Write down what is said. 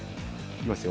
行きますよ。